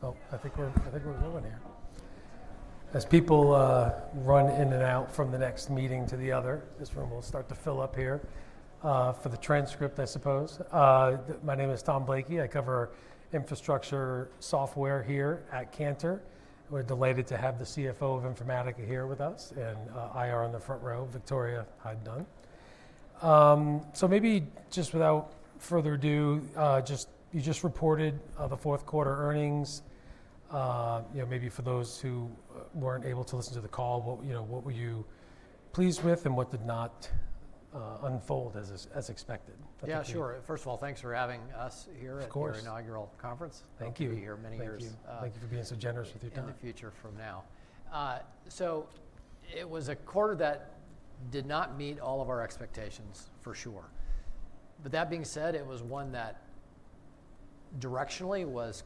Oh, I think we're—I think we're good on here. As people run in and out from the next meeting to the other, this room will start to fill up here, for the transcript, I suppose. My name is Tom Blakey. I cover infrastructure software here at Cantor. We're delighted to have the CFO of Informatica here with us, and IR in the front row, Victoria Hyde-Dunn. Maybe just without further ado, just—you just reported the fourth quarter earnings. You know, maybe for those who weren't able to listen to the call, what—you know, what were you pleased with and what did not unfold as—as expected? Yeah, sure. First of all, thanks for having us here. Of course. Your inaugural conference. Thank you. We'll be here many years. Thank you. Thank you for being so generous with your time. In the future from now. It was a quarter that did not meet all of our expectations, for sure. That being said, it was one that directionally was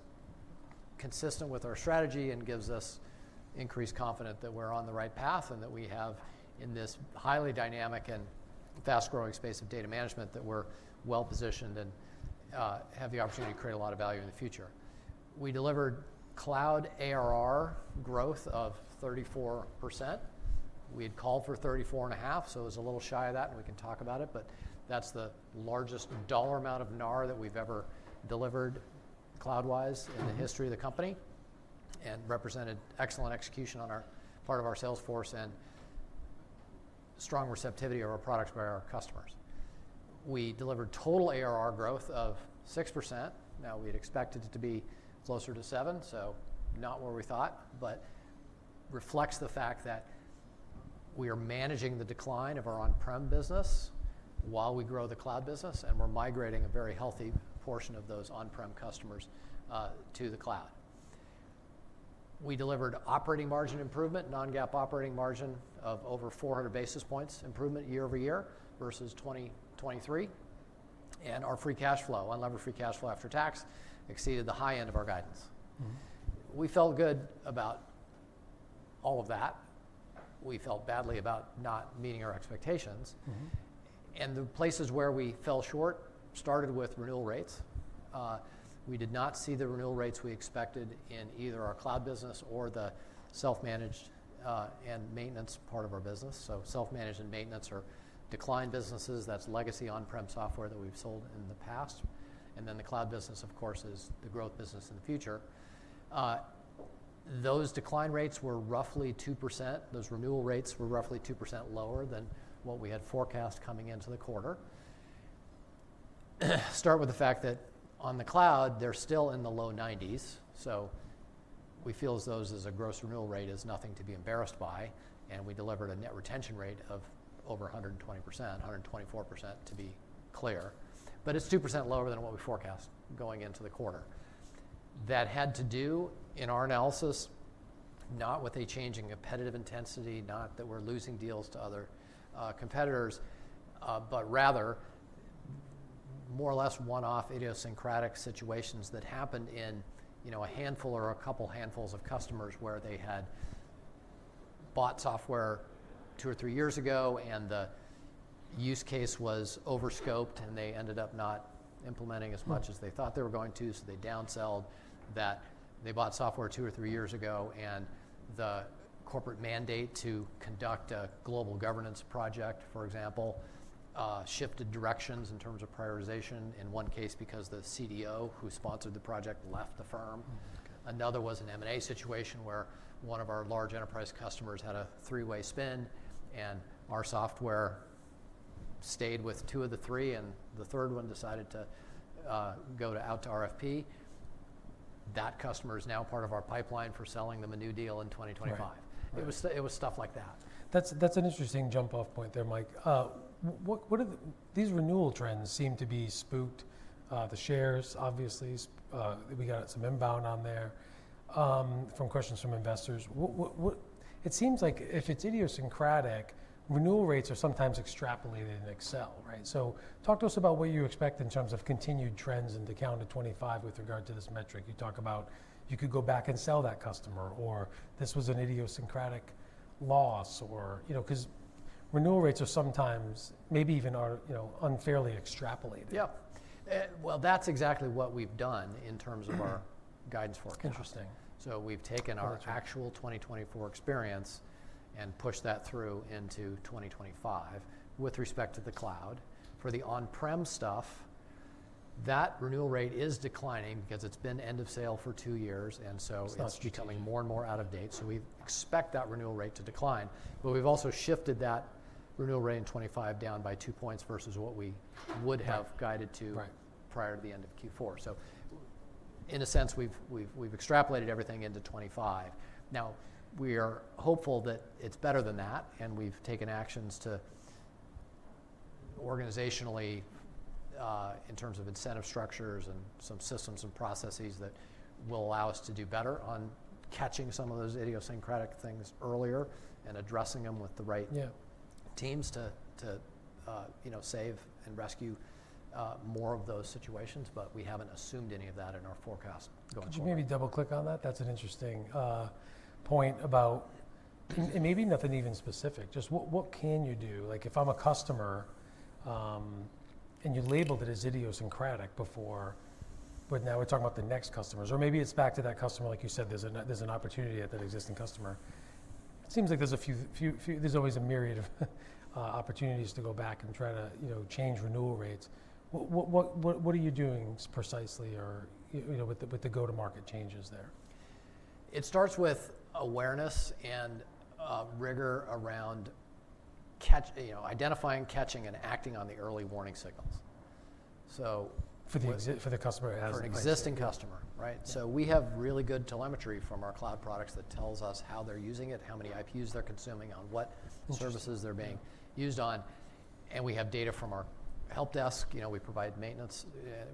consistent with our strategy and gives us increased confidence that we're on the right path and that we have, in this highly dynamic and fast-growing space of data management, that we're well-positioned and have the opportunity to create a lot of value in the future. We delivered cloud ARR growth of 34%. We had called for 34.5%, so it was a little shy of that, and we can talk about it, but that's the largest dollar amount of Net New ARR that we've ever delivered cloud-wise in the history of the company and represented excellent execution on our part of our sales force and strong receptivity of our products by our customers. We delivered total ARR growth of 6%. Now, we had expected it to be closer to 7%, so not where we thought, but reflects the fact that we are managing the decline of our on-prem business while we grow the cloud business, and we're migrating a very healthy portion of those on-prem customers to the cloud. We delivered operating margin improvement, non-GAAP operating margin of over 400 basis points improvement year-over-year versus 2023, and our free cash flow, unlevered free cash flow after tax, exceeded the high end of our guidance. Mm-hmm. We felt good about all of that. We felt badly about not meeting our expectations. Mm-hmm. The places where we fell short started with renewal rates. We did not see the renewal rates we expected in either our cloud business or the self-managed and maintenance part of our business. Self-managed and maintenance are declined businesses. That is legacy on-prem software that we have sold in the past. The cloud business, of course, is the growth business in the future. Those decline rates were roughly 2%. Those renewal rates were roughly 2% lower than what we had forecast coming into the quarter. On the cloud, they are still in the low 90s. We feel those as a gross renewal rate is nothing to be embarrassed by, and we delivered a net retention rate of over 120%, 124% to be clear. It is 2% lower than what we forecast going into the quarter. That had to do, in our analysis, not with a change in competitive intensity, not that we're losing deals to other competitors, but rather more or less one-off idiosyncratic situations that happened in, you know, a handful or a couple handfuls of customers where they had bought software two or three years ago, and the use case was over-scoped, and they ended up not implementing as much as they thought they were going to, so they downselled that. They bought software two or three years ago, and the corporate mandate to conduct a global governance project, for example, shifted directions in terms of prioritization in one case because the CDO who sponsored the project left the firm. Mm-hmm. Another was an M&A situation where one of our large enterprise customers had a three-way spin, and our software stayed with two of the three, and the third one decided to go out to RFP. That customer is now part of our pipeline for selling them a new deal in 2025. Wow. It was—it was stuff like that. That's an interesting jump-off point there, Mike. What are these renewal trends seem to be spooked? The shares, obviously, we got some inbound on there, from questions from investors. What it seems like, if it's idiosyncratic, renewal rates are sometimes extrapolated in Excel, right? Talk to us about what you expect in terms of continued trends into calendar 2025 with regard to this metric. You talk about you could go back and sell that customer, or this was an idiosyncratic loss, or, you know, 'cause renewal rates are sometimes maybe even are, you know, unfairly extrapolated. Yeah, that's exactly what we've done in terms of our guidance forecast. Interesting. We have taken our actual 2024 experience and pushed that through into 2025 with respect to the cloud. For the on-prem stuff, that renewal rate is declining because it has been end of sale for two years, and so it is becoming more and more out of date. We expect that renewal rate to decline. We have also shifted that renewal rate in 2025 down by two points versus what we would have guided to prior to the end of Q4. In a sense, we have extrapolated everything into 2025. We are hopeful that it is better than that, and we have taken actions organizationally, in terms of incentive structures and some systems and processes that will allow us to do better on catching some of those idiosyncratic things earlier and addressing them with the right. Yeah. Teams to, you know, save and rescue more of those situations, but we haven't assumed any of that in our forecast going forward. Could you maybe double-click on that? That's an interesting point about—and maybe nothing even specific, just what—what can you do? Like, if I'm a customer, and you labeled it as idiosyncratic before, but now we're talking about the next customers, or maybe it's back to that customer, like you said, there's an—there's an opportunity at that existing customer. It seems like there's a few—few—there's always a myriad of opportunities to go back and try to, you know, change renewal rates. What—what—what are you doing precisely, or, you know, with the go-to-market changes there? It starts with awareness and rigor around catch—you know, identifying, catching, and acting on the early warning signals. For the customer as an example. For an existing customer, right? We have really good telemetry from our cloud products that tells us how they're using it, how many IPUs they're consuming, on what services they're being used on. We have data from our help desk. You know, we provide maintenance,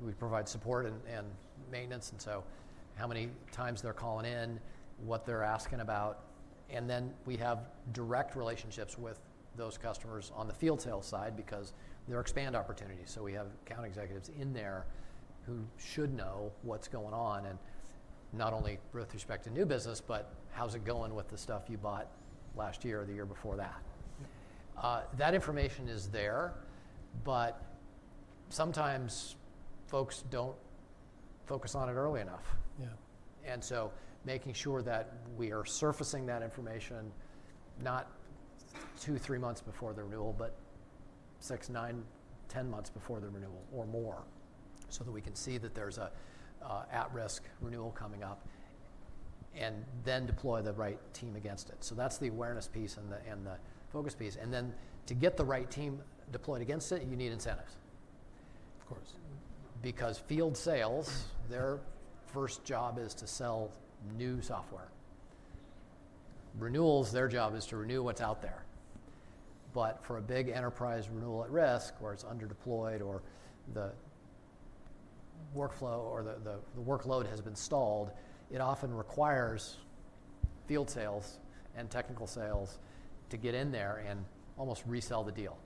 we provide support and maintenance, and how many times they're calling in, what they're asking about. We have direct relationships with those customers on the field sales side because they're expand opportunities. We have account executives in there who should know what's going on and not only with respect to new business, but how's it going with the stuff you bought last year or the year before that. Yeah. That information is there, but sometimes folks do not focus on it early enough. Yeah. Making sure that we are surfacing that information not two, three months before the renewal, but six, nine, ten months before the renewal or more, so that we can see that there's a at-risk renewal coming up and then deploy the right team against it. That is the awareness piece and the focus piece. To get the right team deployed against it, you need incentives. Of course. Field sales, their first job is to sell new software. Renewals, their job is to renew what's out there. For a big enterprise renewal at risk, where it's underdeployed or the workflow or the workload has been stalled, it often requires field sales and technical sales to get in there and almost resell the deal.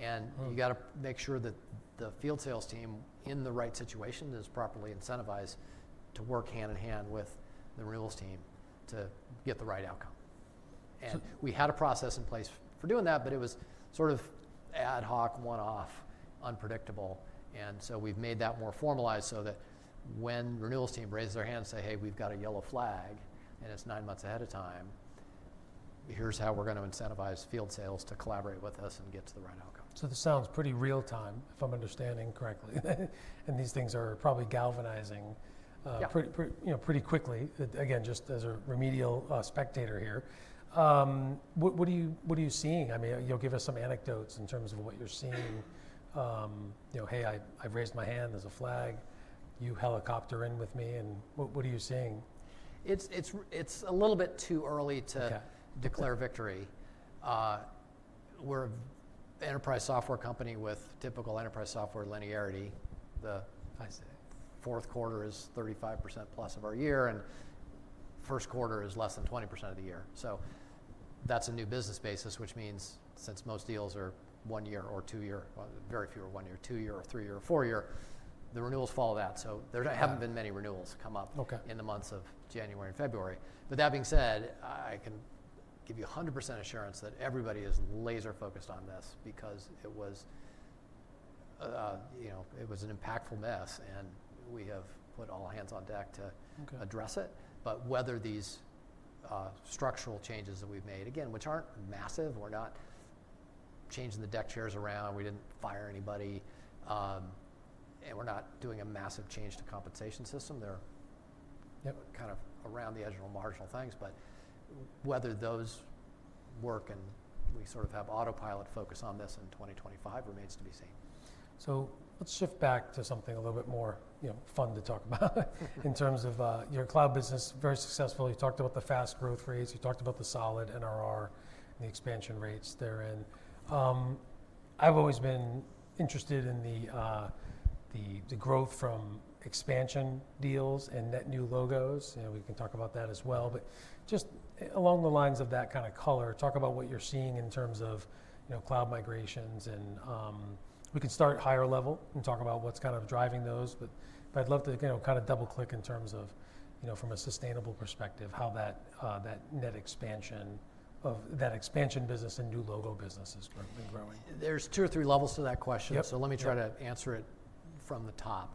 You got to make sure that the field sales team in the right situation is properly incentivized to work hand in hand with the renewals team to get the right outcome. We had a process in place for doing that, but it was sort of ad hoc, one-off, unpredictable. We have made that more formalized so that when the renewals team raises their hand and says, "Hey, we have a yellow flag," and it is nine months ahead of time, here is how we are going to incentivize field sales to collaborate with us and get to the right outcome. This sounds pretty real-time, if I'm understanding correctly, and these things are probably galvanizing. Yeah. Pretty quickly. Again, just as a remedial spectator here, what are you seeing? I mean, you'll give us some anecdotes in terms of what you're seeing. You know, "Hey, I've raised my hand. There's a flag. You helicopter in with me." What are you seeing? It's a little bit too early to. Okay. Declare victory. We're an enterprise software company with typical enterprise software linearity. The fourth quarter is 35%+ of our year, and first quarter is less than 20% of the year. That is a new business basis, which means since most deals are one-year or two-year, very few are one-year, two-year, or three-year or four-year, the renewals follow that. There have not been many renewals come up. Okay. In the months of January and February. That being said, I can give you 100% assurance that everybody is laser-focused on this because it was, you know, it was an impactful mess, and we have put all hands on deck to. Okay. Address it. Whether these structural changes that we've made, again, which aren't massive, we're not changing the deck chairs around, we didn't fire anybody, and we're not doing a massive change to compensation system. They're. Yep. Kind of around the edge of marginal things, but whether those work and we sort of have autopilot focus on this in 2025 remains to be seen. Let's shift back to something a little bit more, you know, fun to talk about in terms of your cloud business. Very successful. You talked about the fast growth rates. You talked about the solid NRR and the expansion rates therein. I've always been interested in the growth from expansion deals and net new logos. You know, we can talk about that as well, but just along the lines of that kind of color, talk about what you're seeing in terms of, you know, cloud migrations. We can start higher level and talk about what's kind of driving those, but I'd love to, you know, kind of double-click in terms of, you know, from a sustainable perspective, how that net expansion of that expansion business and new logo business has been growing? There's two or three levels to that question. Yep. Let me try to answer it from the top.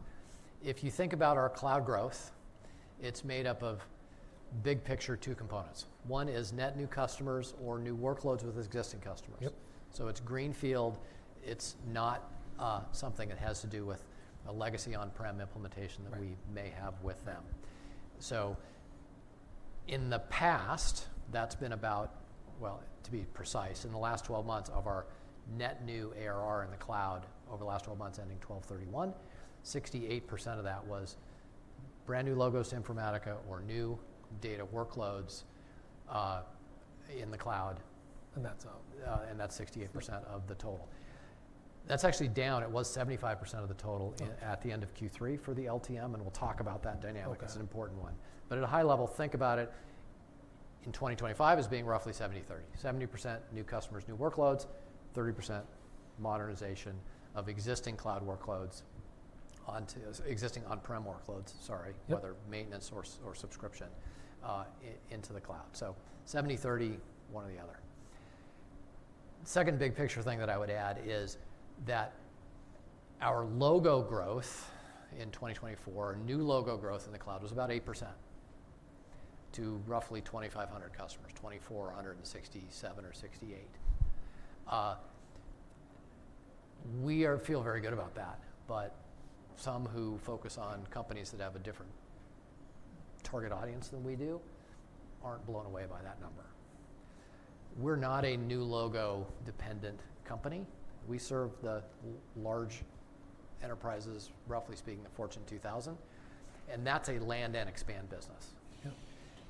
If you think about our cloud growth, it's made up of big picture two components. One is net new customers or new workloads with existing customers. Yep. It's greenfield. It's not something that has to do with a legacy on-prem implementation that we may have with them. In the past, that's been about, to be precise, in the last 12 months of our net new ARR in the cloud, over the last 12 months ending December 31, 68% of that was brand new logos, Informatica, or new data workloads in the cloud. That's up. And that's 68% of the total. That's actually down. It was 75% of the total at the end of Q3 for the LTM, and we'll talk about that dynamic. Okay. It's an important one. At a high level, think about it in 2025 as being roughly 70/30. 70% new customers, new workloads, 30% modernization of existing cloud workloads onto existing on-prem workloads, sorry. Yep. Whether maintenance or subscription, into the cloud, 70/30, one or the other. Second big picture thing that I would add is that our logo growth in 2024, new logo growth in the cloud was about 8% to roughly 2,500 customers, 2,467 or 2,468. We feel very good about that, but some who focus on companies that have a different target audience than we do are not blown away by that number. We are not a new logo dependent company. We serve the large enterprises, roughly speaking, of Fortune 2000, and that is a land and expand business.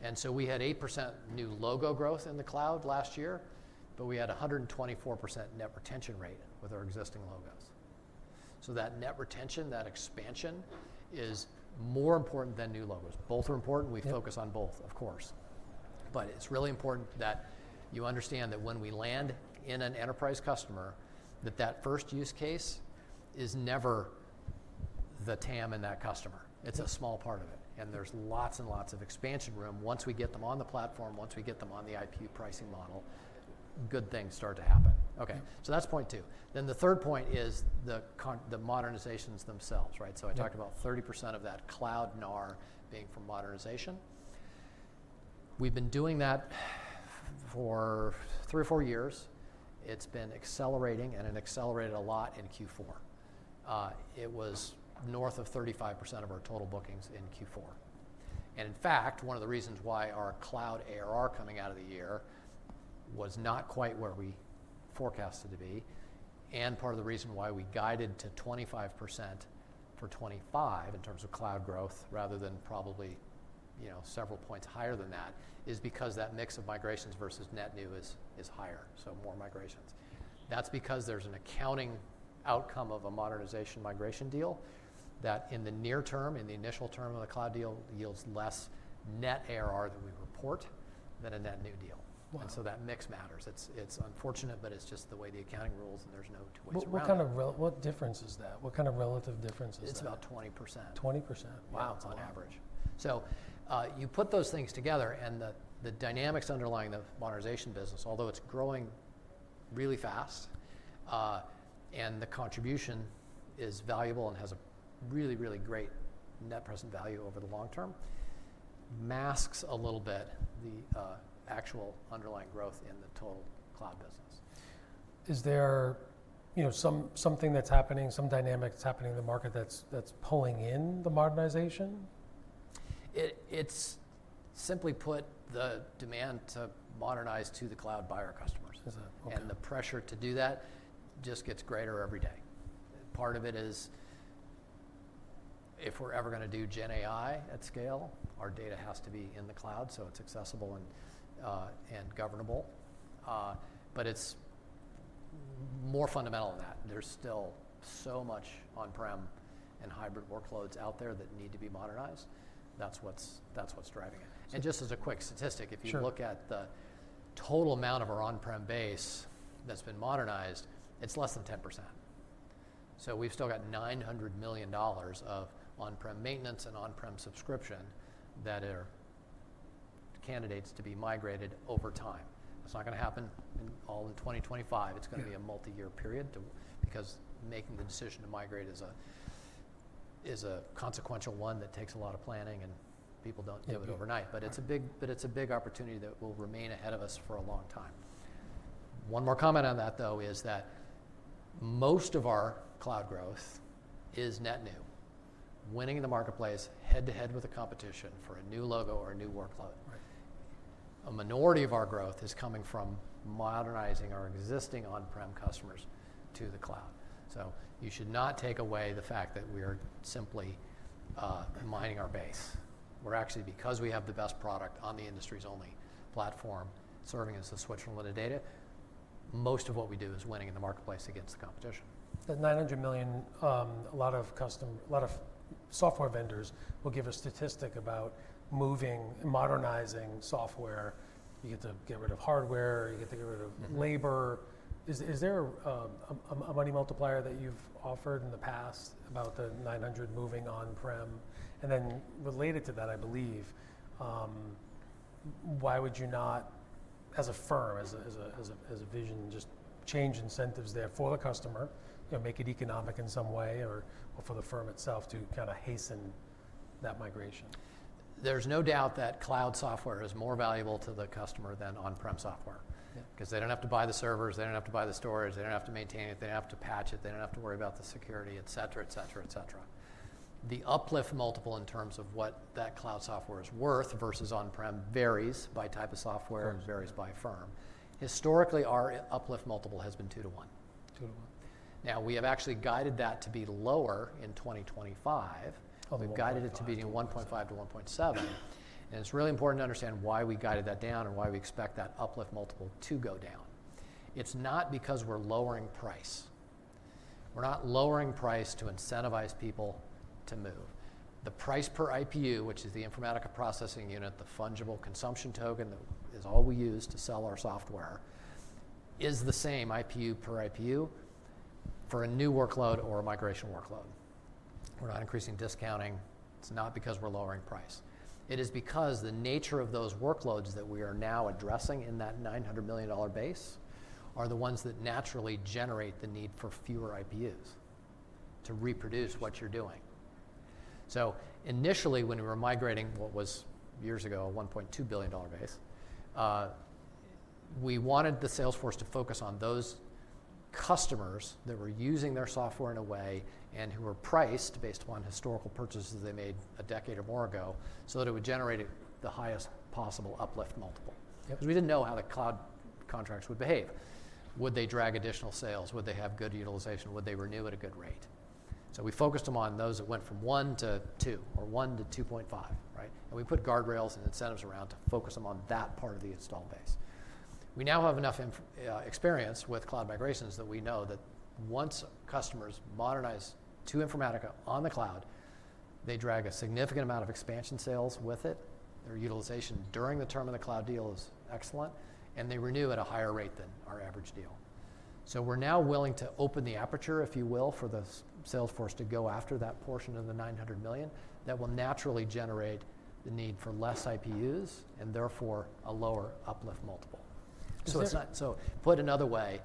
Yep. We had 8% new logo growth in the cloud last year, but we had 124% net retention rate with our existing logos. That net retention, that expansion is more important than new logos. Both are important. We focus on both, of course. It is really important that you understand that when we land in an enterprise customer, that first use case is never the TAM in that customer. It is a small part of it, and there is lots and lots of expansion room. Once we get them on the platform, once we get them on the IP pricing model, good things start to happen. That is point two. The third point is the modernizations themselves, right? I talked about 30% of that cloud Net New ARR being from modernization. We have been doing that for three or four years. It's been accelerating, and it accelerated a lot in Q4. It was north of 35% of our total bookings in Q4. In fact, one of the reasons why our cloud ARR coming out of the year was not quite where we forecasted it to be, and part of the reason why we guided to 25% for 2025 in terms of cloud growth rather than probably, you know, several points higher than that, is because that mix of migrations versus net new is higher, so more migrations. That's because there's an accounting outcome of a modernization migration deal that in the near term, in the initial term of the cloud deal, yields less net ARR that we report than a net new deal. Wow. That mix matters. It's unfortunate, but it's just the way the accounting rules, and there's no two ways about it. What kind of relative difference is that? What kind of relative difference is that? It's about 20%. 20%. Wow. It's on average. You put those things together, and the dynamics underlying the modernization business, although it's growing really fast, and the contribution is valuable and has a really, really great net present value over the long term, masks a little bit the actual underlying growth in the total cloud business. Is there, you know, something that's happening, some dynamics happening in the market that's pulling in the modernization? It's simply put, the demand to modernize to the cloud by our customers. Is that okay? The pressure to do that just gets greater every day. Part of it is if we're ever gonna do Gen AI at scale, our data has to be in the cloud so it's accessible and governable. It is more fundamental than that. There's still so much on-prem and hybrid workloads out there that need to be modernized. That's what's driving it. Sure. Just as a quick statistic, if you look at the total amount of our on-prem base that's been modernized, it's less than 10%. We have still got $900 million of on-prem maintenance and on-prem subscription that are candidates to be migrated over time. That is not gonna happen all in 2025. It is gonna be a multi-year period because making the decision to migrate is a consequential one that takes a lot of planning, and people do not do it overnight. Yeah. It is a big opportunity that will remain ahead of us for a long time. One more comment on that, though, is that most of our cloud growth is net new, winning the marketplace head-to-head with the competition for a new logo or a new workload. Right. A minority of our growth is coming from modernizing our existing on-prem customers to the cloud. You should not take away the fact that we are simply mining our base. We are actually, because we have the best product on the industry's only platform serving as the switch from limited data, most of what we do is winning in the marketplace against the competition. That $900 million, a lot of custom—a lot of software vendors will give a statistic about moving, modernizing software. You get to get rid of hardware. You get to get rid of labor. Is there a money multiplier that you've offered in the past about the $900 million moving on-prem? And then related to that, I believe, why would you not, as a firm, as a vision, just change incentives there for the customer, you know, make it economic in some way or for the firm itself to kind of hasten that migration? There's no doubt that cloud software is more valuable to the customer than on-prem software. Yeah. Because they don't have to buy the servers. They don't have to buy the storage. They don't have to maintain it. They don't have to patch it. They don't have to worry about the security, etc., etc., etc. The uplift multiple in terms of what that cloud software is worth versus on-prem varies by type of software. Firm. Varies by firm. Historically, our uplift multiple has been two to one. Two to one. Now, we have actually guided that to be lower in 2025. Oh, we went down. We've guided it to be 1.5-1.7. It's really important to understand why we guided that down and why we expect that uplift multiple to go down. It's not because we're lowering price. We're not lowering price to incentivize people to move. The price per IPU, which is the Informatica Processing Unit, the fungible consumption token that is all we use to sell our software, is the same IPU per IPU for a new workload or a migration workload. We're not increasing discounting. It's not because we're lowering price. It is because the nature of those workloads that we are now addressing in that $900 million base are the ones that naturally generate the need for fewer IPUs to reproduce what you're doing. Initially, when we were migrating what was years ago a $1.2 billion base, we wanted the salesforce to focus on those customers that were using their software in a way and who were priced based upon historical purchases they made a decade or more ago so that it would generate the highest possible uplift multiple. Yep. Because we didn't know how the cloud contracts would behave. Would they drag additional sales? Would they have good utilization? Would they renew at a good rate? We focused them on those that went from one to two or one to 2.5, right? We put guardrails and incentives around to focus them on that part of the install base. We now have enough experience with cloud migrations that we know that once customers modernize to Informatica on the cloud, they drag a significant amount of expansion sales with it. Their utilization during the term of the cloud deal is excellent, and they renew at a higher rate than our average deal. We're now willing to open the aperture, if you will, for the Salesforce to go after that portion of the $900 million that will naturally generate the need for fewer IPUs and therefore a lower uplift multiple. Interesting. It's not, so put another way,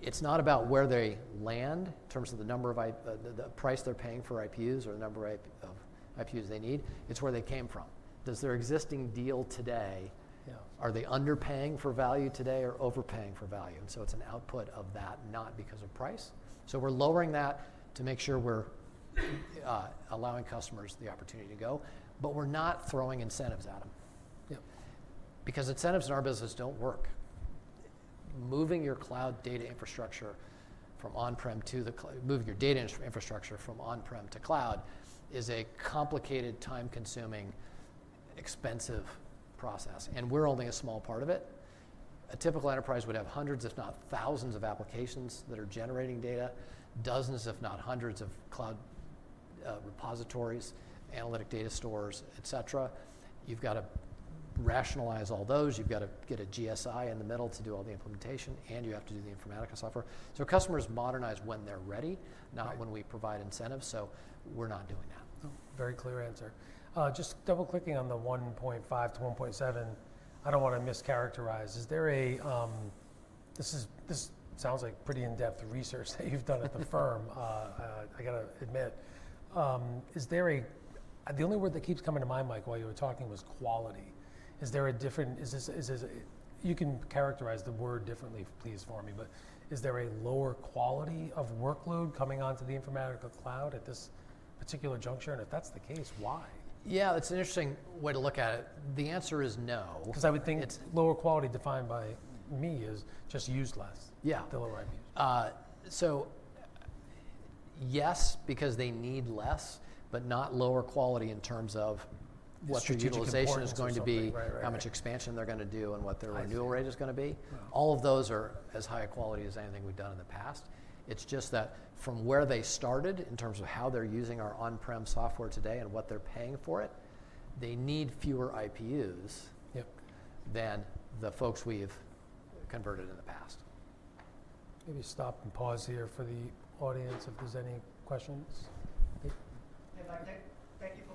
it's not about where they land in terms of the number of IPUs—the price they're paying for IPUs or the number of IPUs they need. It's where they came from. Does their existing deal today? Yeah. Are they underpaying for value today or overpaying for value? It is an output of that, not because of price. We are lowering that to make sure we are allowing customers the opportunity to go, but we are not throwing incentives at them. Yep. Because incentives in our business do not work. Moving your data infrastructure from on-prem to cloud is a complicated, time-consuming, expensive process, and we are only a small part of it. A typical enterprise would have hundreds, if not thousands, of applications that are generating data, dozens, if not hundreds, of cloud repositories, analytic data stores, etc. You have to rationalize all those. You have to get a GSI in the middle to do all the implementation, and you have to do the Informatica software. Customers modernize when they are ready, not when we provide incentives. We are not doing that. Oh, very clear answer. Just double-clicking on the 1.5-1.7, I don't want to mischaracterize. Is there a, this is—this sounds like pretty in-depth research that you've done at the firm. I got to admit, is there a—the only word that keeps coming to mind, Mike, while you were talking was quality. Is there a different—is this—is this—you can characterize the word differently, please, for me, but is there a lower quality of workload coming onto the Informatica cloud at this particular juncture? And if that's the case, why? Yeah, that's an interesting way to look at it. The answer is no. Because I would think it's lower quality defined by me is just used less. Yeah. The lower IPUs? Yes, because they need less, but not lower quality in terms of what the utilization is going to be. Strategic performance. Right, right, right. How much expansion they're gonna do and what their renewal rate is gonna be. Right. All of those are as high a quality as anything we've done in the past. It's just that from where they started in terms of how they're using our on-prem software today and what they're paying for it, they need fewer IPUs. Yep. Than the folks we've converted in the past. Maybe stop and pause here for the audience if there's any questions. Hey, Mike, thank you for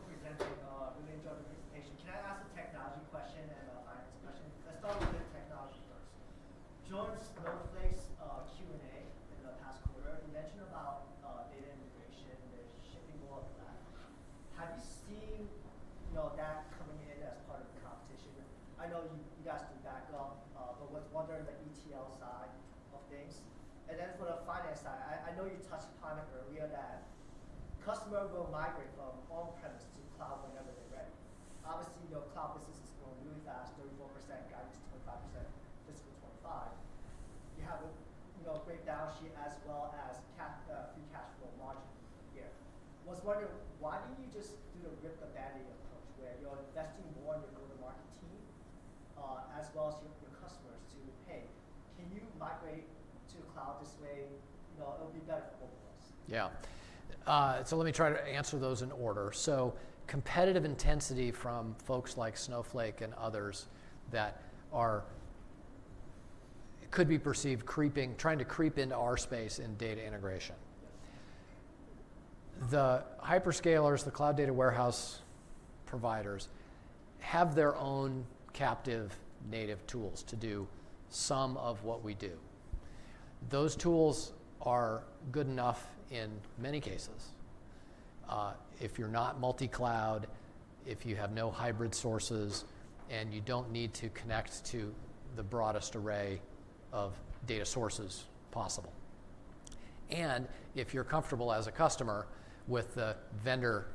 both of us. Yeah. Let me try to answer those in order. Competitive intensity from folks like Snowflake and others that are, could be perceived creeping, trying to creep into our space in data integration. The hyperscalers, the cloud data warehouse providers have their own captive native tools to do some of what we do. Those tools are good enough in many cases if you're not multi-cloud, if you have no hybrid sources, and you don't need to connect to the broadest array of data sources possible. If you're comfortable as a customer with the vendor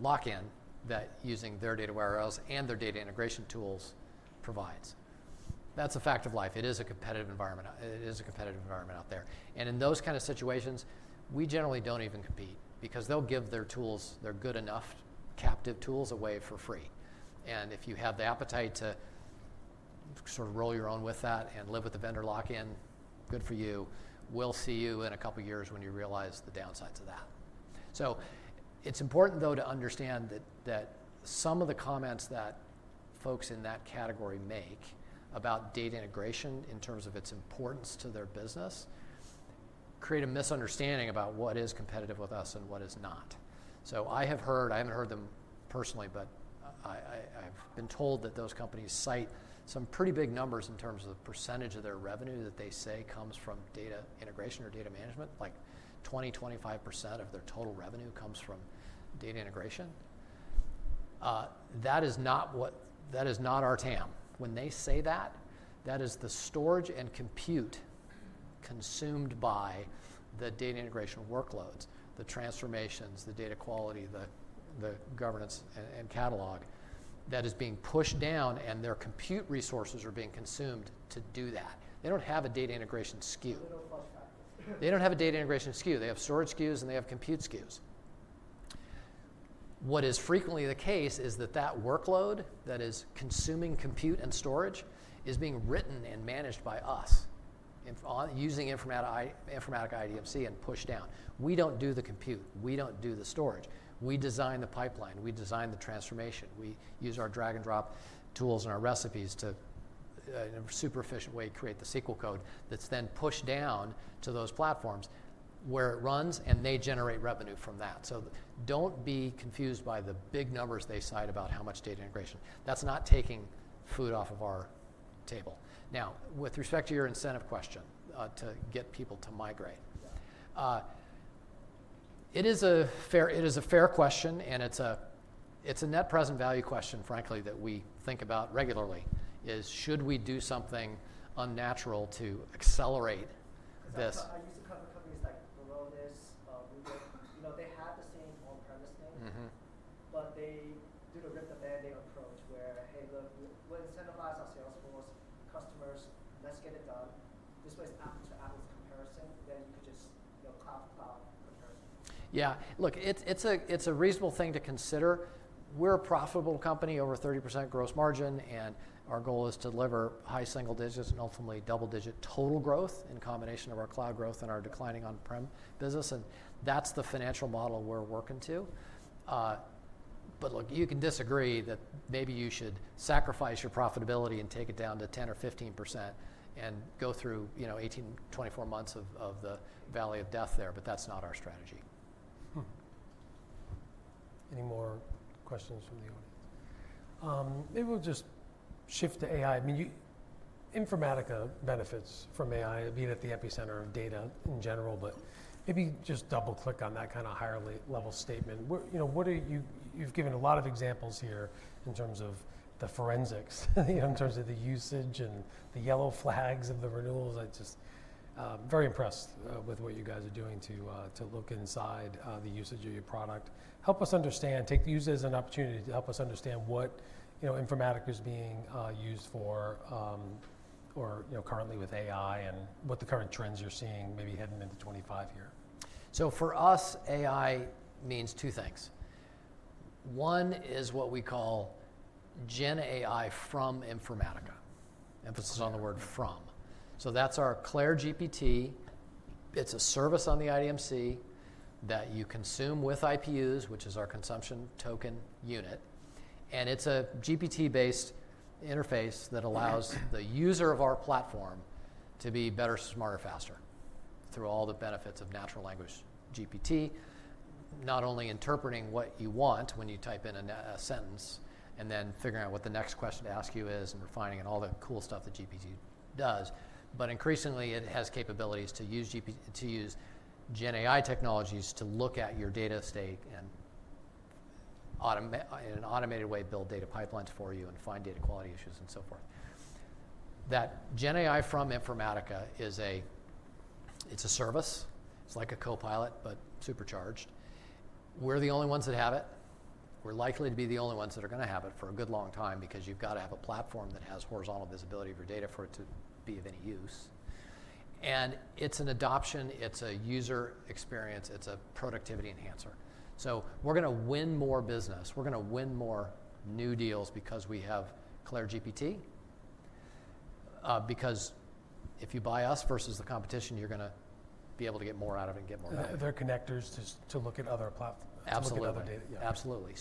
lock-in that using their data warehouse and their data integration tools provides, that's a fact of life. It is a competitive environment. It is a competitive environment out there. In those kind of situations, we generally don't even compete because they'll give their tools, their good enough captive tools away for free. If you have the appetite to sort of roll your own with that and live with the vendor lock-in, good for you. We will see you in a couple of years when you realize the downsides of that. It is important, though, to understand that some of the comments that folks in that category make about data integration in terms of its importance to their business create a misunderstanding about what is competitive with us and what is not. I have heard—I have not heard them personally, but I have been told that those companies cite some pretty big numbers in terms of the percentage of their revenue that they say comes from data integration or data management, like 20%, 25% of their total revenue comes from data integration. That is not what—that is not our TAM. When they say that, that is the storage and compute consumed by the data integration workloads, the transformations, the data quality, the governance and catalog that is being pushed down, and their compute resources are being consumed to do that. They do not have a data integration SKU. Little plus factor. They don't have a data integration SKU. They have storage SKUs, and they have compute SKUs. What is frequently the case is that that workload that is consuming compute and storage is being written and managed by us on using Informatica IDMC and pushed down. We don't do the compute. We don't do the storage. We design the pipeline. We design the transformation. We use our drag-and-drop tools and our recipes to, in a super efficient way, create the SQL code that's then pushed down to those platforms where it runs, and they generate revenue from that. Don't be confused by the big numbers they cite about how much data integration. That's not taking food off of our table. Now, with respect to your incentive question, to get people to migrate. Yeah. It is a fair—it is a fair question, and it's a—it's a net present value question, frankly, that we think about regularly is should we do something unnatural to accelerate this. I used to cover companies like Informatica, Rubrik. You know, they have the same on-premise thing. Mm-hmm. They do the rip the band-aid approach where, hey, look, we'll incentivize our Salesforce customers. Let's get it done. This way, it's app to app comparison. Then you could just, you know, cloud to cloud comparison. Yeah. Look, it's a reasonable thing to consider. We're a profitable company over 30% gross margin, and our goal is to deliver high single-digits and ultimately double-digit total growth in combination of our cloud growth and our declining on-prem business. That's the financial model we're working to. You can disagree that maybe you should sacrifice your profitability and take it down to 10% or 15% and go through, you know, 18 months, 24 months of the valley of death there, but that's not our strategy. Any more questions from the audience? Maybe we'll just shift to AI. I mean, you, Informatica, benefit from AI, being at the epicenter of data in general, but maybe just double-click on that kind of higher level statement. What—you know, what are you—you've given a lot of examples here in terms of the forensics, you know, in terms of the usage and the yellow flags of the renewals. I just, very impressed, with what you guys are doing to, to look inside, the usage of your product. Help us understand—take use as an opportunity to help us understand what, you know, Informatica is being, used for, or, you know, currently with AI and what the current trends you're seeing maybe heading into 2025 here. For us, AI means two things. One is what we call Gen AI from Informatica, emphasis on the word from. That's our CLAIRE GPT. It's a service on the IDMC that you consume with IPUs, which is our consumption token unit. It's a GPT-based interface that allows the user of our platform to be better, smarter, faster through all the benefits of natural language GPT, not only interpreting what you want when you type in a sentence and then figuring out what the next question to ask you is and refining and all the cool stuff that GPT does, but increasingly it has capabilities to use Gen AI technologies to look at your data stack and, in an automated way, build data pipelines for you and find data quality issues and so forth. That Gen AI from Informatica is a service. It's like a copilot, but supercharged. We're the only ones that have it. We're likely to be the only ones that are gonna have it for a good long time because you've got to have a platform that has horizontal visibility of your data for it to be of any use. It's an adoption. It's a user experience. It's a productivity enhancer. We're gonna win more business. We're gonna win more new deals because we have CLAIRE GPT, because if you buy us versus the competition, you're gonna be able to get more out of it and get more value. Their connectors to look at other platforms. Absolutely. Look at other data. Absolutely.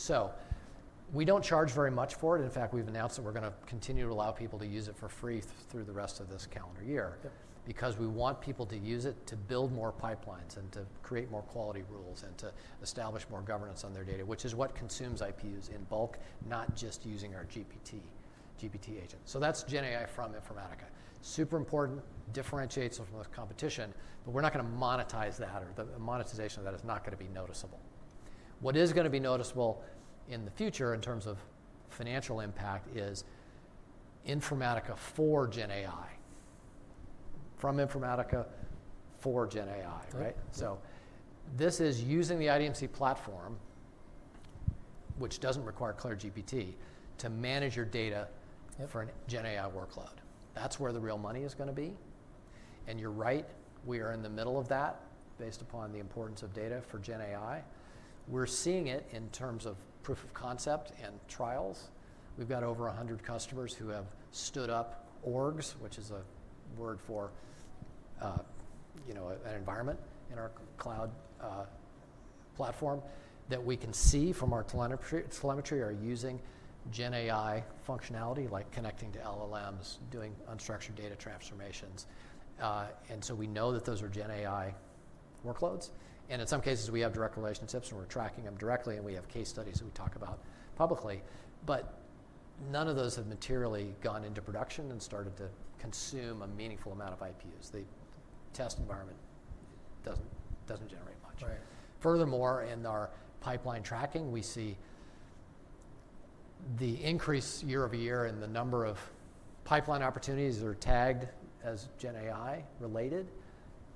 We don't charge very much for it. In fact, we've announced that we're gonna continue to allow people to use it for free through the rest of this calendar year. Yep. Because we want people to use it to build more pipelines and to create more quality rules and to establish more governance on their data, which is what consumes IPUs in bulk, not just using our GPT, GPT agent. That is Gen AI from Informatica. Super important, differentiates it from the competition, but we are not going to monetize that, or the monetization of that is not going to be noticeable. What is going to be noticeable in the future in terms of financial impact is Informatica for Gen AI from Informatica for Gen AI, right? Right. This is using the IDMC platform, which doesn't require CLAIRE GPT, to manage your data. Yep. For a Gen AI workload. That is where the real money is gonna be. You are right. We are in the middle of that based upon the importance of data for Gen AI. We are seeing it in terms of proof of concept and trials. We have got over 100 customers who have stood up orgs, which is a word for, you know, an environment in our cloud, platform that we can see from our telemetry are using Gen AI functionality like connecting to LLMs, doing unstructured data transformations. and so we know that those are Gen AI workloads. And in some cases, we have direct relationships, and we are tracking them directly, and we have case studies that we talk about publicly. But none of those have materially gone into production and started to consume a meaningful amount of IPUs. The test environment does not—does not generate much. Right. Furthermore, in our pipeline tracking, we see the increase year-over-year in the number of pipeline opportunities that are tagged as Gen AI related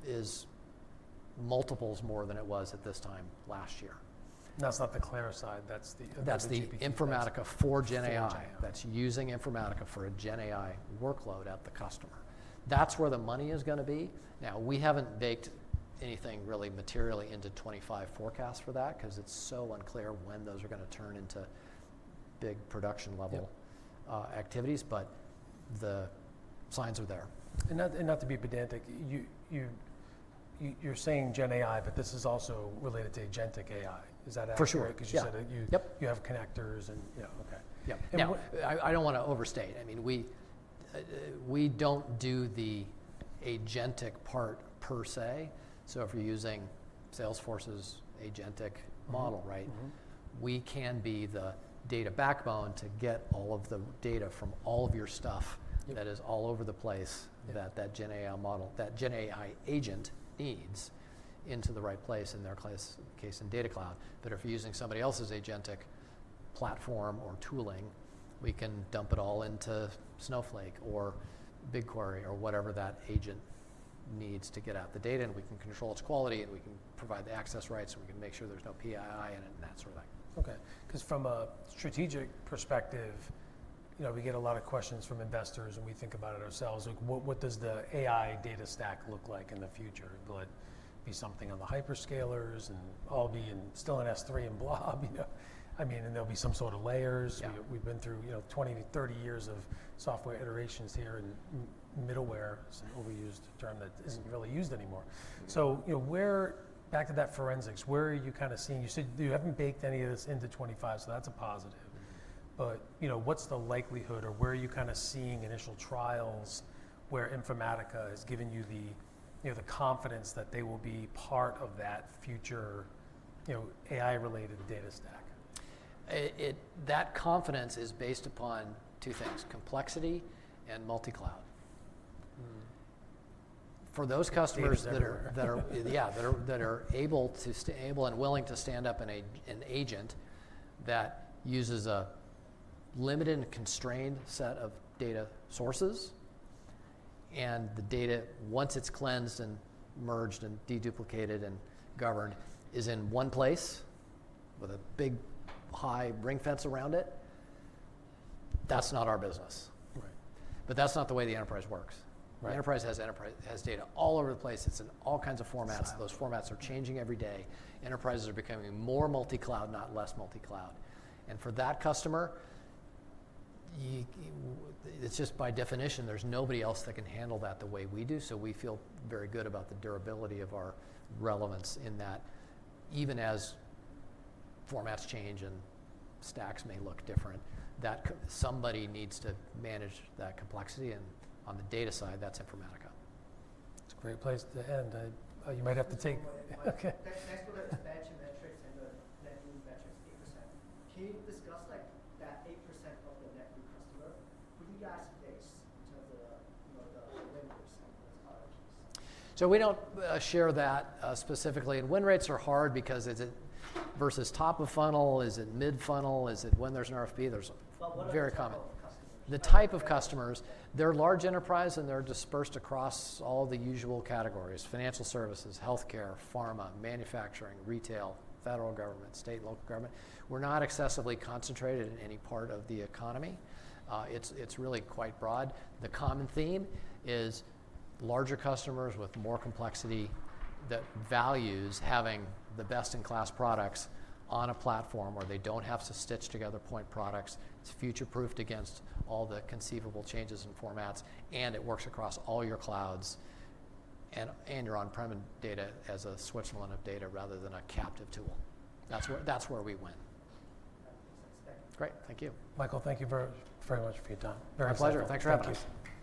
is multiples more than it was at this time last year. That's not the CLAIRE side. That's the—that's the GPT. That's the Informatica for Gen AI that's using Informatica for a Gen AI workload at the customer. That's where the money is gonna be. Now, we haven't baked anything really materially into 2025 forecast for that 'cause it's so unclear when those are gonna turn into big production level activities, but the signs are there. Not to be pedantic, you—you—you're saying Gen AI, but this is also related to agentic AI. Is that accurate? For sure. 'Cause you said that you—you have connectors and, you know, okay. Yep. Yeah. I don't wanna overstate. I mean, we don't do the agentic part per se. If you're using Salesforce's agentic model, right? Mm-hmm. We can be the data backbone to get all of the data from all of your stuff that is all over the place that Gen AI model—that Gen AI agent needs into the right place in their case in Data Cloud. If you're using somebody else's agentic platform or tooling, we can dump it all into Snowflake or BigQuery or whatever that agent needs to get out the data, and we can control its quality, and we can provide the access rights, and we can make sure there's no PII in it and that sort of thing. Okay. 'Cause from a strategic perspective, you know, we get a lot of questions from investors, and we think about it ourselves. Like, what—what does the AI data stack look like in the future? Will it be something on the hyperscalers and I'll be in still in S3 and Blob, you know? I mean, and there'll be some sort of layers. Yeah. We've been through, you know, 20 years-30 years of software iterations here in middleware. It's an overused term that isn't really used anymore. You know, where—back to that forensics, where are you kind of seeing? You said you haven't baked any of this into 2025, so that's a positive. You know, what's the likelihood or where are you kind of seeing initial trials where Informatica is giving you the, you know, the confidence that they will be part of that future, you know, AI-related data stack? That confidence is based upon two things: complexity and multi-cloud. For those customers that are able and willing to stand up an agent that uses a limited and constrained set of data sources, and the data, once it's cleansed and merged and deduplicated and governed, is in one place with a big high ring fence around it, that's not our business. Right. That is not the way the enterprise works. Right. The enterprise has data all over the place. It's in all kinds of formats. Exactly. Those formats are changing every day. Enterprises are becoming more multi-cloud, not less multi-cloud. For that customer, you—it's just by definition, there's nobody else that can handle that the way we do. We feel very good about the durability of our relevance in that even as formats change and stacks may look different, somebody needs to manage that complexity. On the data side, that's Informatica. That's a great place to end. I—you might have to take. Okay. Next one is batching metrics and the net new metrics, 8%. Can you discuss, like, that 8% of the net new customer? Who do you guys face in terms of the, you know, the vendors and those RFPs? We do not share that specifically. Win rates are hard because is it versus top of funnel? Is it mid-funnel? Is it when there is an RFP? There is a very common. What are the type of customers? The type of customers, they're large enterprise, and they're dispersed across all the usual categories: financial services, healthcare, pharma, manufacturing, retail, federal government, state, local government. We're not excessively concentrated in any part of the economy. It's really quite broad. The common theme is larger customers with more complexity that values having the best-in-class products on a platform where they don't have to stitch together point products. It's future-proofed against all the conceivable changes and formats, and it works across all your clouds and your on-prem data as a Switzerland of data rather than a captive tool. That's where we win. That's expected. Great. Thank you. Michael, thank you very much for your time. Very much a pleasure. Thanks for having us. Thank you.